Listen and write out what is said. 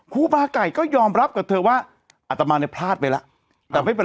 ครูบาร์ไก่ก็ยอมรับกับเธอว่าอัตมานี่พลาดไปแล้วแต่ไม่เป็น